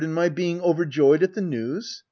[aCT IV. being overjoyed at the news !